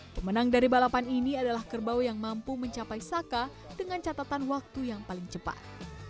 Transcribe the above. pemenang dari balapan ini adalah kerbau yang mampu mencapai saka dengan catatan waktu yang paling cepat